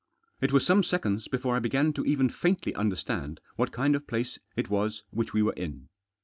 It was some seconds before I began to even faintly understand what kind of place it was which we were in.